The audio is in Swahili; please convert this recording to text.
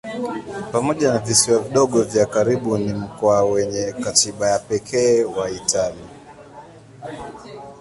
Pamoja na visiwa vidogo vya karibu ni mkoa wenye katiba ya pekee wa Italia.